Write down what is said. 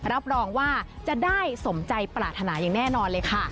รับรองว่าจะได้สมใจปรารถนาอย่างแน่นอนเลยค่ะ